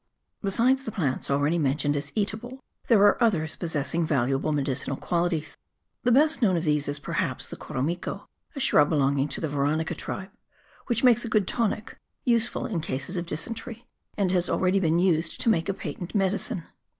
Besides the plants already mentioned as eatable, there are others possessing valuable medicinal qualities. The best known of these is, perhaps, the koromiko, a shrub belonging to the veronica tribe, which makes a good tonic, useful in cases of dysentery, and has already been used to make a patent medicine.